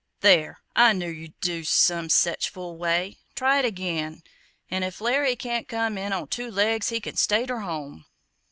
"There, I knew yer'd do it in some sech fool way, try it agin 'n if Larry can't come in on two legs he can stay ter home!"